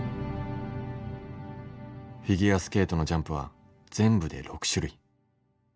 フィギュアスケートのジャンプは全部で６種類。